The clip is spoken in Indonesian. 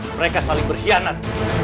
mereka saling berkhianat